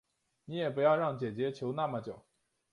你也不要让姐姐求那么久